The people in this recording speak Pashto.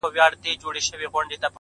نور مي له ورځي څـخــه بـــد راځـــــــي~